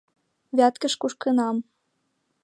Вяткеш кушкынам.